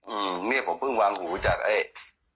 อืมนี่ผมเพิ่งวางหูจากไอ้ตัว